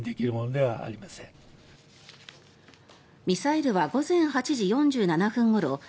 ミサイルは午前８時４７分ごろ